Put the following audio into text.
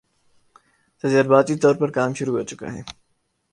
تجرباتی طور پر کام شروع ہو چکا ہے